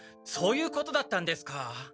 そういうことだったんですか。